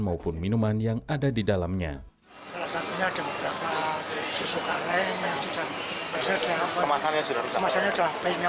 maupun minuman yang ada di pusat kota